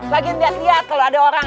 bagi ngeliat liat kalau ada orang